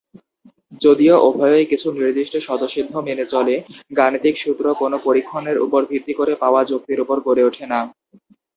যদিও উভয়ই কিছু নির্দিষ্ট স্বতঃসিদ্ধ মেনে চলে, গাণিতিক সূত্র কোনো পরীক্ষণের উপর ভিত্তি করে পাওয়া যুক্তির উপর গড়ে ওঠে না।